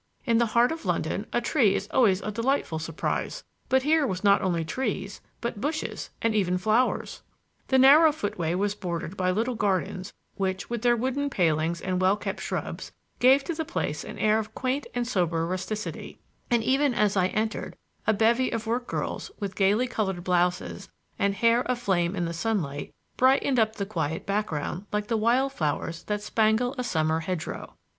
In the heart of London a tree is always a delightful surprise; but here were not only trees, but bushes and even flowers. The narrow footway was bordered by little gardens, which, with their wooden palings and well kept shrubs, gave to the place an air of quaint and sober rusticity; and even as I entered, a bevy of workgirls, with gaily colored blouses and hair aflame in the sunlight, brightened up the quiet background like the wild flowers that spangle a summer hedgerow.